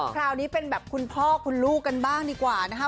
คราวนี้เป็นแบบคุณพ่อคุณลูกกันบ้างดีกว่านะคะ